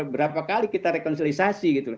berapa kali kita rekonsilisasi gitu